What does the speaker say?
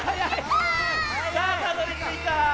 さあたどりついた。